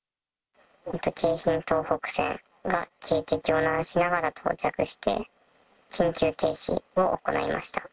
京浜東北線が警笛を鳴らしながら到着して、緊急停止を行いました。